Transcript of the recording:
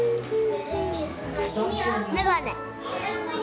眼鏡！